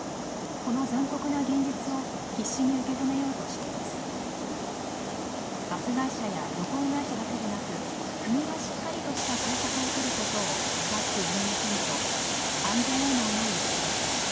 この残酷な現実を必死に受け止めようとしています。